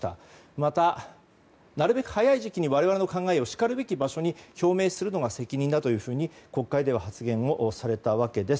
また、なるべく早い時期に我々の考えをしかるべき場所に表明するのが責任と国会では発言をされたわけです。